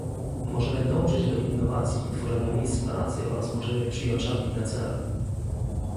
Możemy dążyć do innowacji i tworzenia miejsc pracy oraz możemy przyjąć ambitne cele